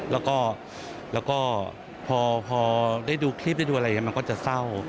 แล้วก็พอได้ดูคลิปได้ดูอะไรอย่างนี้มันก็จะเศร้า